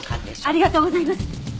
ありがとうございます。